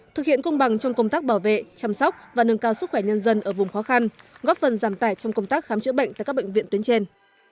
thực hiện công bằng trong công tác bảo vệ chăm sóc và nâng cao sức khỏe nhân dân ở vùng khó khăn góp phần giảm tải trong công tác khám chữa bệnh tại các bệnh viện tuyến trên